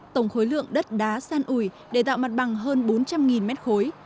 tổng khối lượng đất đá san ủi để tạo mặt bằng hơn bốn trăm linh mét khối